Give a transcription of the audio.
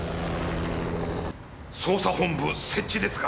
捜査本部設置ですか？